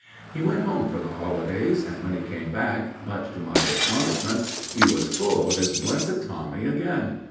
He went home for the holidays, and when he came back, much to my astonishment, he was full of his blessed Tommy again.